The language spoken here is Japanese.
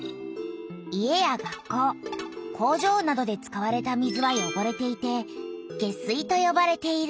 家や学校工場などで使われた水はよごれていて「下水」とよばれている。